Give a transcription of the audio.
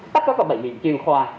tất cả các bệnh viện chuyên khoa